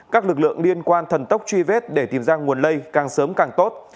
các lực lượng liên quan thần tốc truy vết để tìm ra nguồn lây càng sớm càng tốt